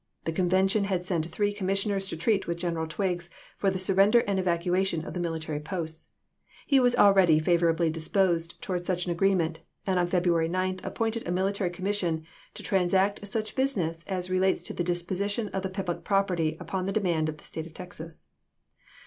The convention had sent three commissioners to treat with General Twiggs for the surrender and evacua tion of the military posts. He was already favor ably disposed towards such an agreement, and on February 9 appointed a military commission " to transact such business as relates to the disposition of the public property upon the demand of the State of Texas."